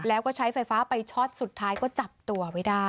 แล้วก็ใช้ไฟฟ้าไปช็อตสุดท้ายก็จับตัวไว้ได้